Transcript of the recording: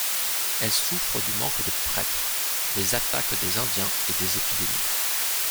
Elle souffre du manque de prêtres, des attaques des Indiens et des épidémies.